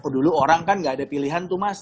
dulu orang kan gak ada pilihan tuh mas